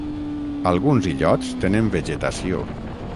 Alguns illots tenen vegetació.